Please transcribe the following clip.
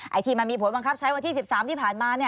ที่มันมีผลบังคับใช้วันที่๑๓ที่ผ่านมา